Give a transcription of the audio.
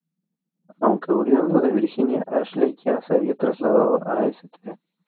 Aunque oriundo de Virginia, Ashley ya se había trasladado a St.